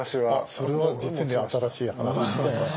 それは実に新しい話。